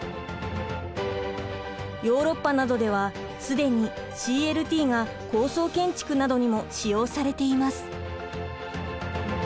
ヨーロッパなどでは既にＣＬＴが高層建築などにも使用されています。